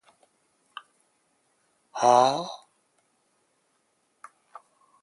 はーーー？